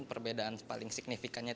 perbedaan paling signifikan